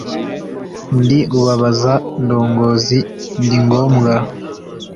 Ndi rubabaza ndongozi ndi ngombwa